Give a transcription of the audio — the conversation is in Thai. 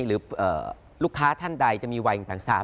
หรือลูกค้าท่านใดจะมีวัยต่าง